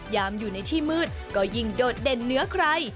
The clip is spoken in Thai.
ยามอยู่ในที่มืดก็ยิ่งโดดเด่นเนื้อใคร